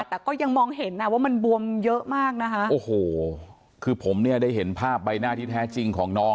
แต่ก็ยังมองเห็นอ่ะว่ามันบวมเยอะมากนะคะโอ้โหคือผมเนี่ยได้เห็นภาพใบหน้าที่แท้จริงของน้อง